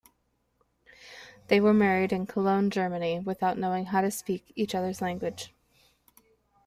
They were married in Cologne, Germany, without knowing how to speak each other's language.